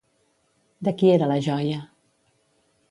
De qui era la joia?